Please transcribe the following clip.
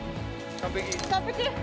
完璧？